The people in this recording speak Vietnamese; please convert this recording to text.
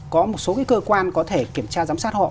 có một số cái cơ quan có thể kiểm tra giám sát họ